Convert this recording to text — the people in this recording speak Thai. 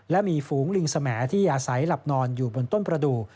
และมีฝูงลิงสมที่อาศัยหลับนอนอยู่บนต้นประดูก